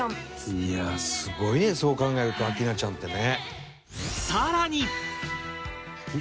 いやあすごいねそう考えると明菜ちゃんってね。